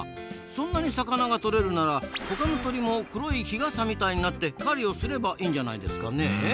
そんなに魚がとれるならほかの鳥も黒い日傘みたいになって狩りをすればいいんじゃないですかねえ？